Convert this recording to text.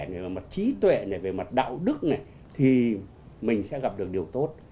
về mặt trí tuệ này về mặt đạo đức này thì mình sẽ gặp được điều tốt